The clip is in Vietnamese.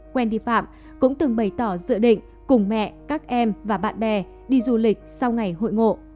quen đi phạm cũng từng bày tỏ dự định cùng mẹ các em và bạn bè đi du lịch sau ngày hội ngộ